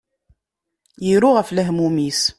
Iru ɣef lehmum-is.